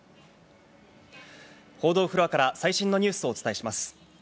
報道フロアから最新のニュースをお伝えします。